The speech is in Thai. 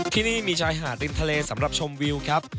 ที่นี่มีชายหาดริมทะเลสำหรับชมวิวครับ